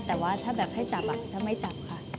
แต่ว่าถ้าแบบให้จับถ้าไม่จับค่ะ